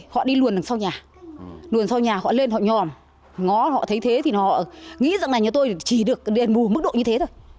họ đi luồn đằng sau nhà luồn sau nhà họ lên họ nhòm ngó thấy thế thì họ nghĩ rằng là nhà tôi chỉ được đền bù mức độ như thế thôi